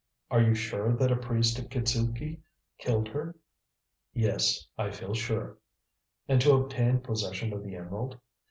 "Are you sure that a priest of Kitzuki killed her?" "Yes, I feel sure." "And to obtain possession of the emerald?"